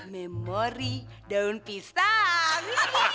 memori daun pisang